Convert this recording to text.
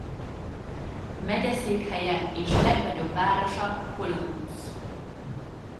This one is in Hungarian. Megyeszékhelye és legnagyobb városa Columbus.